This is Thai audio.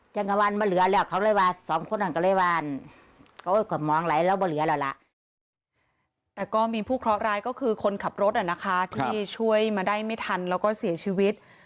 แต่ก็มีผู้เคราะห์ร้ายก็คือคนขับรถนะคะที่ช่วยมาได้ไม่ทันแล้วก็เสียชีวิต